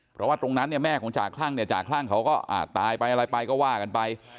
เพราะว่าตรงนั้นเนี่ยแม่ของจ่าคลั่งเนี่ยจ่าคลั่งเขาก็ตายไปอะไรไปก็ว่ากันไป